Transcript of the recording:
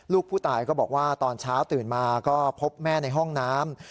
ลูกผู้ตายก็บอกว่าตอนเช้าตื่นมาก็พบแม่ในห้องน้ำ